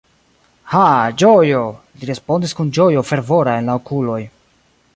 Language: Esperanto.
Ha, ĝojo! li respondis kun ĝojo fervora en la okuloj.